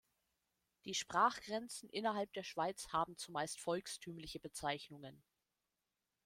Die Sprachgrenzen innerhalb der Schweiz haben zumeist volkstümliche Bezeichnungen.